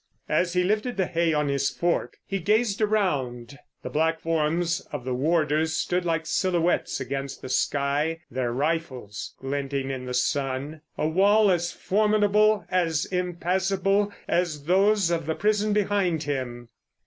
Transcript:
As he lifted the hay on his fork he gazed around. The black forms of the warders stood like silhouettes against the sky, their rifles glinting in the sun, a wall as formidable, as impassable, as those of the prison behind him.